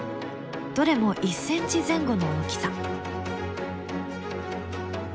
どれも１ｃｍ前後の大きさ。